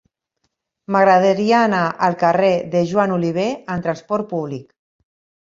M'agradaria anar al carrer de Joan Oliver amb trasport públic.